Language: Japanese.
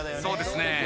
そうですね。